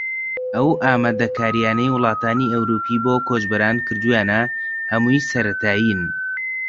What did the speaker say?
ئەو ئامادەکارییانەی وڵاتانی ئەوروپی بۆ کۆچبەران کردوویانە هەمووی سەرەتایین